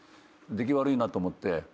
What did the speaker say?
出来悪いなと思って。